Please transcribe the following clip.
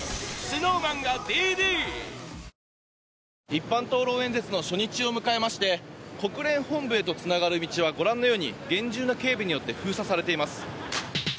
一般討論演説の初日を迎えまして国連本部へとつながる道はご覧のように厳重な警備によって封鎖されています。